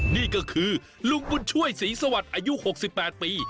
นี่ก็คือลุงบุญช่วยศรีสวัสดิ์อายุ๖๘ปี